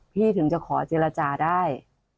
ถึงจะขอเจรจาได้